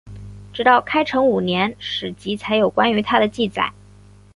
直到开成五年史籍才有关于他的记载。